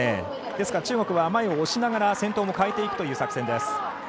ですから中国は前を押しながら先頭も変えていく作戦です。